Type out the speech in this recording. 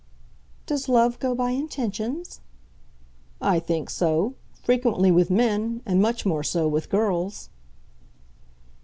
"Does love go by intentions?" "I think so, frequently with men, and much more so with girls."